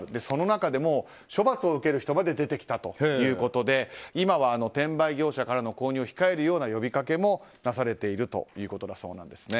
その中でも処罰を受ける人も出てきたということで今は転売業者からの購入を控えるような呼びかけも出されていると。